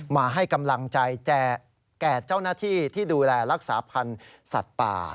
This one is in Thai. มาให้กำลังใจแก่เจ้าหน้าที่ที่ดูแลรักษาพันธุ์สัตว์ป่า